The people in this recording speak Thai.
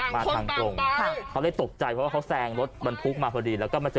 ฟางตรงเขาเล๊บตกใจเพราะเขาแซงรถบรรพุกมาพอดีแล้วเขาเจอรถเก่ง